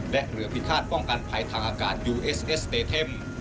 และเรือพิฆาตป้องกันภัยทางอากาศยูเอสเอสเตเทม